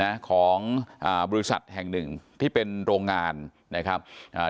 นะของอ่าบริษัทแห่งหนึ่งที่เป็นโรงงานนะครับอ่า